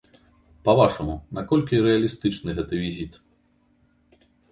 Па-вашаму, наколькі рэалістычны гэты візіт?